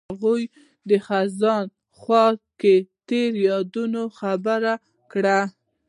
هغوی د خزان په خوا کې تیرو یادونو خبرې کړې.